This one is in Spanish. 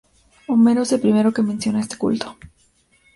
Homero es el primero que menciona este culto.